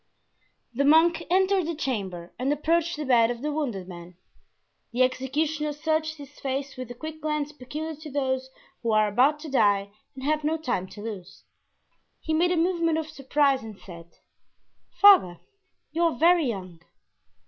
The monk entered the chamber and approached the bed of the wounded man. The executioner searched his face with the quick glance peculiar to those who are about to die and have no time to lose. He made a movement of surprise and said: "Father, you are very young."